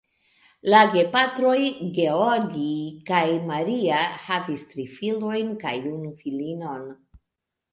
La gepatroj (Georgij kaj Maria) havis tri filojn kaj unu filinon.